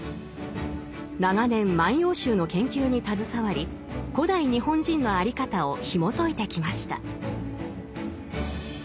長年「万葉集」の研究に携わり古代日本人の在り方をひもといてきました。